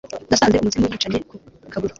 nasanze umuzimu yicanye ku kaguru